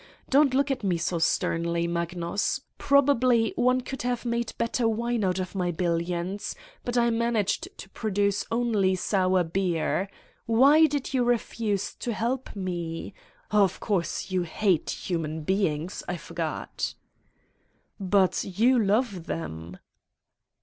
Don't look at me so sternly, Mag nus. Probably one could have made better wine out of my billions, but I managed to produce only sour beer. Why did you refuse to help me? Of course, you hate human beings, I forgot/' "But you love them?"